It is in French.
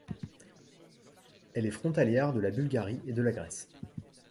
Elle est frontalière de la Bulgarie et de la Grèce.